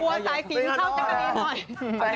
บอกลอกเปล่าเลย